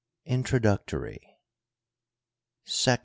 INTRODUCTORY. § I.